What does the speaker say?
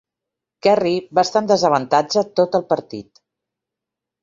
Kerry va estar en desavantatge tot el partit.